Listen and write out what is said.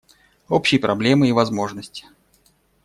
Общие проблемы и возможности.